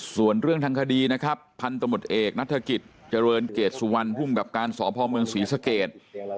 ส่วนเรื่องทางคดีนะครับพันธมตเอกนัฐกิจเจริญเกรดสุวรรณภูมิกับการสพเมืองศรีสเกต